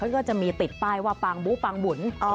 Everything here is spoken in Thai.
เขาก็จะมีติดป้ายว่าปางบุปางบุรอ๋อ